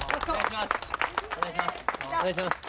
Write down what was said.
お願いします。